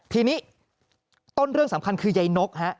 ทีนี้ต้นเรื่องสำคัญคือยายนกฮะ